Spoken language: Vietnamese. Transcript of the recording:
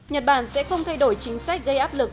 nhật bản sẽ không thay đổi chính sách gây áp lực